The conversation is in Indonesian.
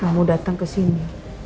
kamu datang kesini